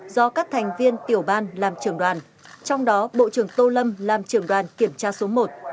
do các thành viên tiểu ban làm trưởng đoàn trong đó bộ trưởng tô lâm làm trưởng đoàn kiểm tra số một